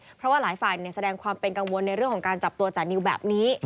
เพราะว่าหลายฝ่ายแสดงความเป็นกังวลในเรื่องของการจับตัวจานิวแบบนี้